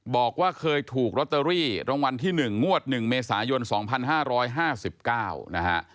บอกว่าเคยถูกลอตเตอรี่รางวัลที่๑งวด๑เมษายน๒๕๕๙นะฮะ